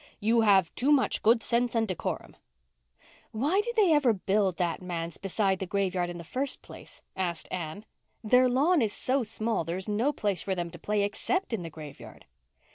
"You have too much good sense and decorum." "Why did they ever build that manse beside the graveyard in the first place?" asked Anne. "Their lawn is so small there is no place for them to play except in the graveyard."